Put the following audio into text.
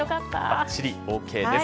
ばっちりＯＫです。